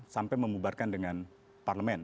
sampai memubarkan dengan parlement